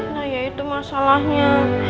nah ya itu masalahnya